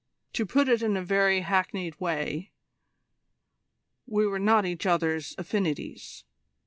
To put it in a very hackneyed way, we were not each other's affinities.